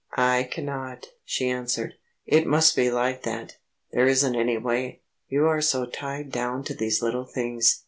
"I cannot," she answered, "it must be like that; there isn't any way. You are so tied down to these little things.